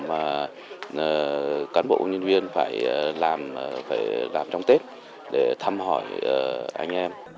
các cán bộ công nhân viên phải làm trong tết để thăm hỏi anh em